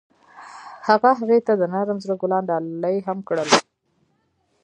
هغه هغې ته د نرم زړه ګلان ډالۍ هم کړل.